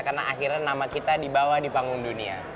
karena akhirnya nama kita dibawa di panggung dunia